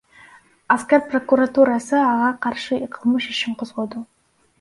Аскер прокуратурасы ага каршы кылмыш ишин козгоду.